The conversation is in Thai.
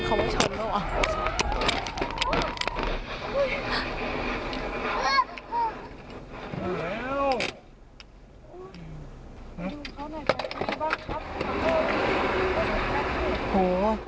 โอ้โฮ